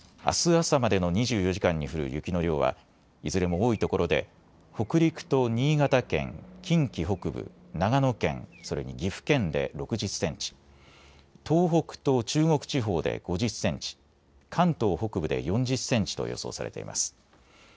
あす朝までの２４時間に降る雪の量はいずれも多いところで北陸と新潟県、近畿北部、長野県、それに岐阜県で６０センチ、東北と中国地方で５０センチ、関東北部で４０センチと予想されています。